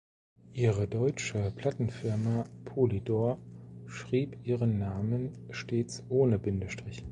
Ihre deutsche Plattenfirma Polydor schrieb ihren Namen stets ohne Bindestrich.